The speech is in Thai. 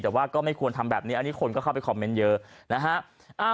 แต่ว่าก็ไม่ควรทำแบบนี้อันนี้คนก็เข้าไปคอมเมนต์เยอะนะฮะ